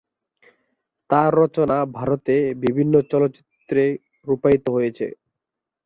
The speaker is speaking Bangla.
তার রচনা ভারতের বিভিন্ন চলচ্চিত্রে রূপায়িত হয়েছে।